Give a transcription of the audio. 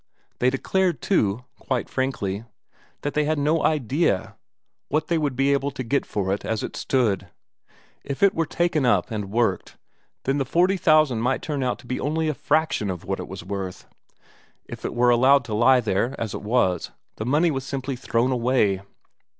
They declared too, quite frankly, that they had no idea what they would be able to get for it as it stood; if it were taken up and worked, then the forty thousand might turn out to be only a fraction of what it was worth; if it were allowed to lie there as it was, the money was simply thrown away.